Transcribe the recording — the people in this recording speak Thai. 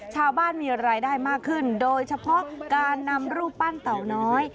ชาวบ้านมีรายได้มากขึ้นโดยเฉพาะการนำรูปปั้นเต่าน้อย